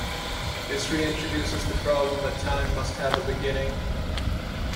This reintroduces the problem that time must have a beginning.